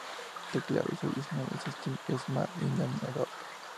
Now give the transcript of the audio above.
Teclados adicionales: Steve Smart y Danny Dove.